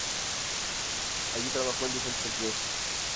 Allí trabajó en diferentes empleos.